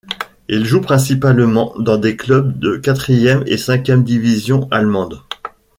Il joue principalement dans des clubs de quatrième et cinquième division allemande.